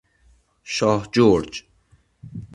شاه جرج